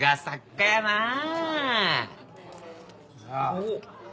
おっ！